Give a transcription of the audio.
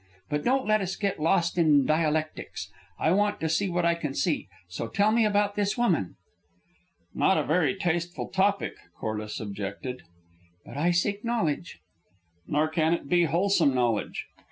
But don't let us get lost in dialectics. I want to see what I can see, so tell me about this woman." "Not a very tasteful topic," Corliss objected. "But I seek knowledge." "Nor can it be wholesome knowledge."